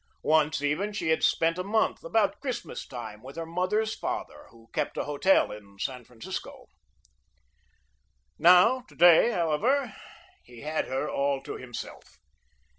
Once, even, she had spent a month, about Christmas time, with her mother's father, who kept a hotel in San Francisco. Now, to day, however, he had her all to himself.